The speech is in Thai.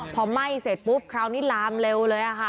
พอไหม้เสร็จปุ๊บคราวนี้ลามเร็วเลยค่ะ